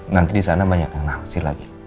nanti di sana banyak yang naksir lagi